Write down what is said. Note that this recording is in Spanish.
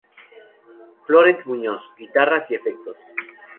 Florent Muñoz: guitarras y efectos.